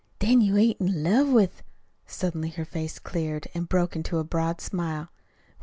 "Then you ain't in love with " Suddenly her face cleared, and broke into a broad smile.